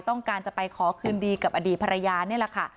ต้องการจะไปขอคืนดีกับอดีตภรรยานี่แหละค่ะ